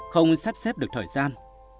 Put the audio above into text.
không sắp xếp được thời gian